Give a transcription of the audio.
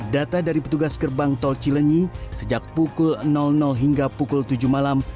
data dari petugas gerbang tol cilenyi sejak pukul hingga pukul tujuh malam